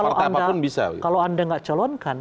karena kalau anda nggak calon kan